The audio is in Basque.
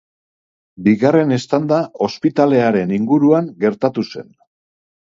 Bigarren eztanda ospitalearen inguruan gertatu zen.